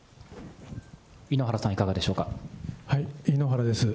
井ノ原さん、井ノ原です。